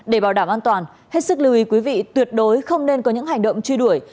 để bảo đảm an toàn hết sức lưu ý quý vị tuyệt đối không nên có những hành động truy đuổi